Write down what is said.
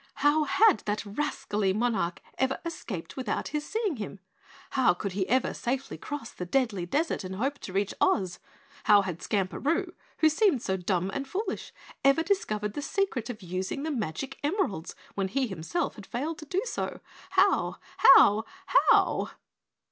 "How had that rascally monarch ever escaped without his seeing him? How could he ever safely cross the Deadly Desert and hope to reach Oz? How had Skamperoo, who seemed so dumb and foolish, ever discovered the secret of using the magic emeralds when he himself had failed to do so? How? How? How?"